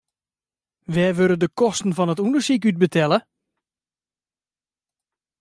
Wêr wurde de kosten fan it ûndersyk út betelle?